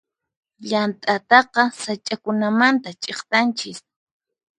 Llant'ataqa sach'akunamanta ch'iktanchis.